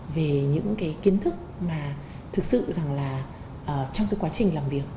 về những kiến thức mà thực sự trong quá trình làm việc